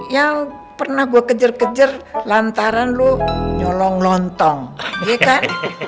yang pernah gue kejar kejar lantaran lu nyolong lontong ya kan